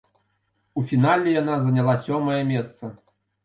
У фінале яна заняла сёмае месца.